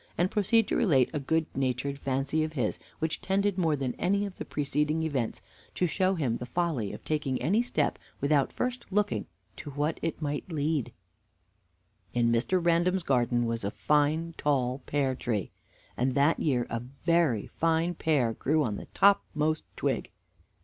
and proceed to relate a good natured fancy of his which tended more than any of the preceding events, to show him the folly of taking any step without first looking to what it might lead. In Mr. Random's garden was a fine tall pear tree, and that year a very fine pear grew on the topmost twig.